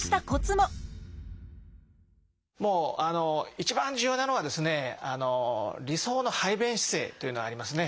もう一番重要なのはですね理想の排便姿勢というのはありますね。